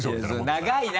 長いな！